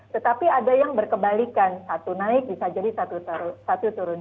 tetapi ada yang berkebalikan satu naik bisa jadi satu turun